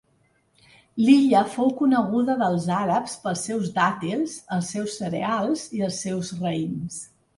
L'illa fou coneguda dels àrabs pels seus dàtils, els seus cereals i els seus raïms.